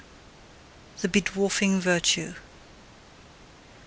THE BEDWARFING VIRTUE.